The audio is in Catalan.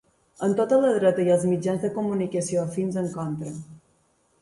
Amb tota la dreta i els mitjans de comunicació afins en contra.